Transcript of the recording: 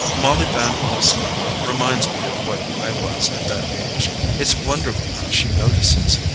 Molly Van Alstyne reminds me of what I was at that age; it's wonderful how she notices.